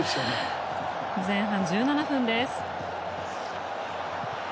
前半１７分です。